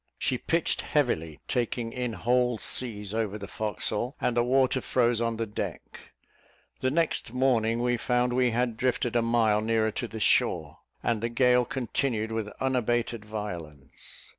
She pitched heavily, taking in whole seas over the forecastle, and the water froze on the deck. The next morning we found we had drifted a mile nearer to the shore, and the gale continued with unabated violence.